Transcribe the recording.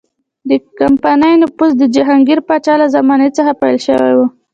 د کمپنۍ نفوذ د جهانګیر پاچا له زمانې څخه پیل شوی و.